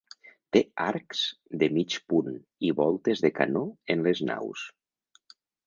Té arcs de mig punt i voltes de canó en les naus.